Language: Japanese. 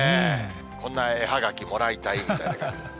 こんな絵葉書もらいたいみたいな感じ。